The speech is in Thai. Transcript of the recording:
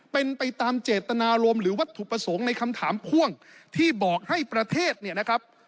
เป็นไปตามเจตนารมณ์หรือวัตถุประสงค์ในคำถามพ่วงที่บอกให้ประเทศเนี่ยนะครับ